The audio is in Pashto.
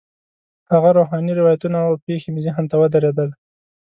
هغه روحاني روایتونه او پېښې مې ذهن ته ودرېدل.